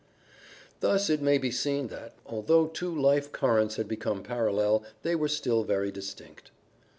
Thus it may be seen that, although two life currents had become parallel, they were still very distinct.